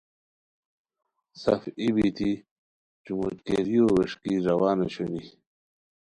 سف ای بیتی چوموٹکیریو ووݰکی روان اوشونی